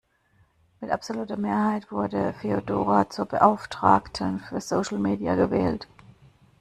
Mit absoluter Mehrheit wurde Feodora zur Beauftragten für Social Media gewählt.